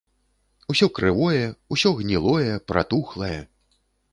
Усё крывое, усё гнілое, пратухлае.